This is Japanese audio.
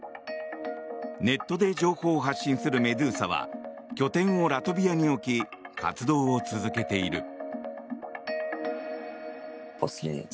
ネットで情報を発信するメドゥーサは拠点をラトビアに置き活動を続けている。